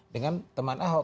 dengan teman ahok